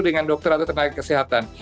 dengan dokter atau tenaga kesehatan